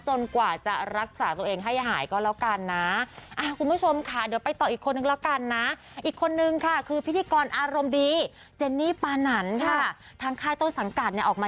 กว่าจะรักษาตัวเองให้หายก็แล้วกันนะ